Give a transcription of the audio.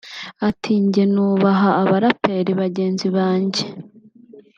Ati ” Njye nubaha abaraperi bagenzi banjye